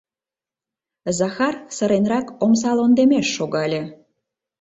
— Захар сыренрак омса лондемеш шогале.